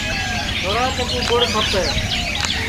چھورا چکُو گُڑ کھپے